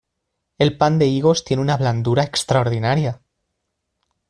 El pan de higos tiene una blandura extraordinaria.